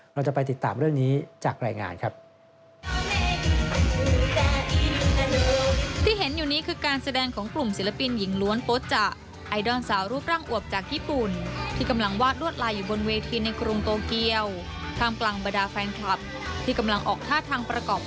เราจะไปติดตามเรื่องนี้จากรายงานครับ